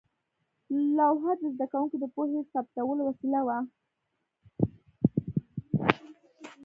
لوحه د زده کوونکو د پوهې ثبتولو وسیله وه.